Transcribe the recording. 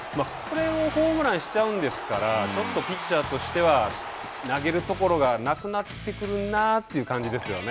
これをホームランしちゃうんですからちょっとピッチャーとしては投げるところがなくなってくるな